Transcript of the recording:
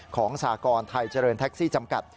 สากรไทยเจริญแท็กซี่จำกัด